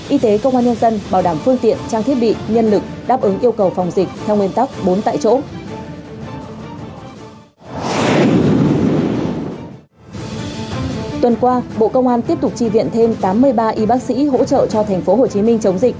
y tế công an nhân dân bảo đảm phương tiện trang thiết bị nhân lực đáp ứng yêu cầu phòng dịch theo nguyên tắc bốn tại chỗ